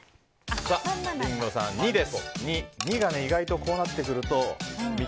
リンゴさん、２です。